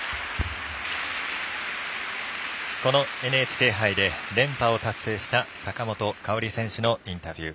このＮＨＫ杯で連覇を達成した坂本花織選手のインタビュー。